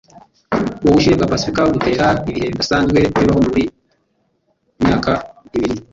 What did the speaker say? Ubu bushyuhe bwa pasifika butera ibihe bidasanzwe bibaho buri myaka ibiri